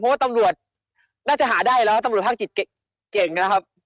เพราะว่าตำรวจน่าจะหาได้แล้วตำรวจภาคจิตเก่งนะครับ